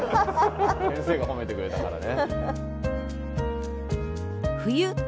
先生が褒めてくれたからね。